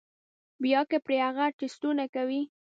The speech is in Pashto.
بيا کۀ پرې هغه ټسټونه کوي